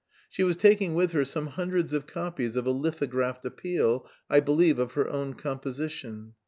She was taking with her some hundreds of copies of a lithographed appeal, I believe of her own composition.